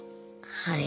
はい。